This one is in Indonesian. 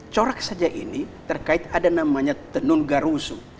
corak saja ini terkait ada namanya tenun garusu